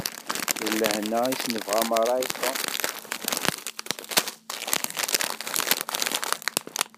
D lehna i s-nebɣa merra i Tom.